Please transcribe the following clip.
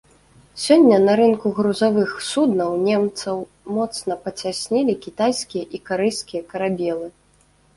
Сёння на рынку грузавых суднаў немцаў моцна пацяснілі кітайскія і карэйскія карабелы.